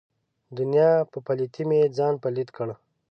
دنیا په پلیتۍ مې ځان پلیت کړ.